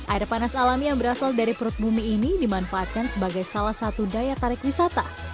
air panas alami yang berasal dari perut bumi ini dimanfaatkan sebagai salah satu daya tarik wisata